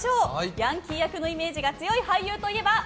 ヤンキー役のイメージが強い俳優といえば？